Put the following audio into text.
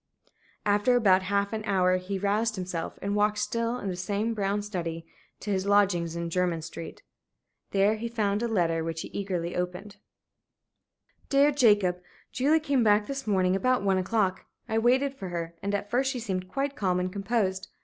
After about half an hour he roused himself, and walked, still in the same brown study, to his lodgings in Jermyn Street. There he found a letter which he eagerly opened. "DEAR JACOB, Julie came back this morning about one o'clock. I waited for her and at first she seemed quite calm and composed.